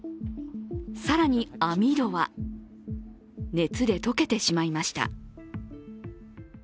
更に網戸は、熱で溶けてしまいました。